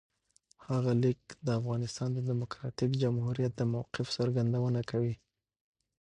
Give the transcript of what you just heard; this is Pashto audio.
هغه لیک د افغانستان د دموکراتیک جمهوریت د موقف څرګندونه کوي.